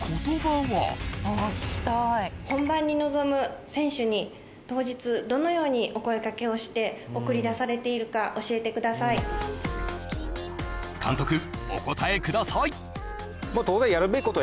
本番に臨む選手に当日どのようにお声掛けをして送り出されているか教えてください監督